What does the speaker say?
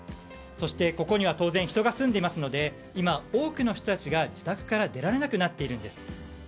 そして、ここには当然人が住んでいますので今、多くの人たちが自宅から出られなくなっているんです。